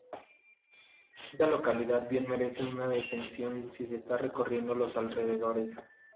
Esta localidad bien merece una detención si se está recorriendo los alrededores.